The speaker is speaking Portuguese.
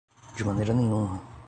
De maneira nenhuma